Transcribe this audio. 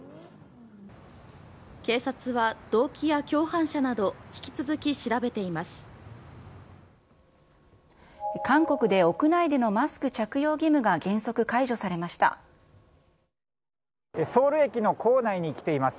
警察は動機や共犯者など、引き続き調べています。